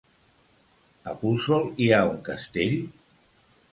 A Puçol hi ha un castell?